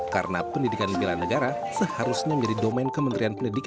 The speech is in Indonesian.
karena pendidikan bela negara seharusnya menjadi domen kementerian pendidikan